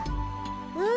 うん。